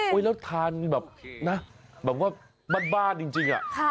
โอ้ยแล้วทานแบบนะแบบว่าบ้าจริงอะ